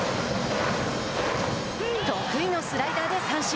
得意のスライダーで三振。